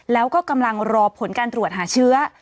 แล้วก็กำลังรอผลการตรวจหาเชื้อ